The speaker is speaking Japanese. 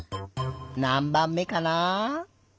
なんばんめかな？